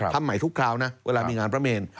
ทำใหม่ทุกคราวนะเวลามีงานพระเมน